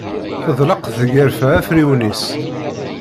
Teḍleq tgerfa afriwen-is.